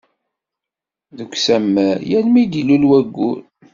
Deg Usammar, yal mi d-ilul wayyur.